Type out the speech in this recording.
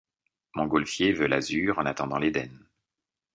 Mongolfier veut l’azur en attendant l’Éden ;